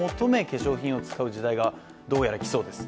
化粧品を使う時代がどうやら来そうです。